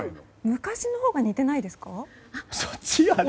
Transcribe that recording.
昔のほうが似てないですか？